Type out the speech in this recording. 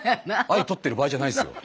愛とってる場合じゃないですよ。